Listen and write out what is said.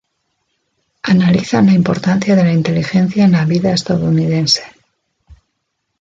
Analizan la importancia de la inteligencia en la vida estadounidense.